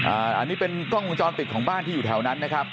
อันนี้เป็นกล้องวงจรปิดของบ้านที่อยู่แถวนั้นนะครับ